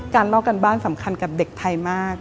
การเมากันบ้านสำคัญกับเด็กไทยมาก